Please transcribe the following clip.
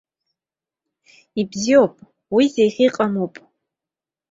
Ибзиоуп, уи зеиӷьаҟамоуп!